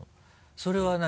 それは何？